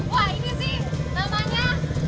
wah ini sih namanya